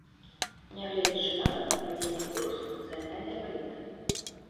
Нягледзячы нават на падзенне курсу нацыянальнай валюты.